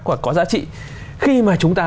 hoặc có giá trị khi mà chúng ta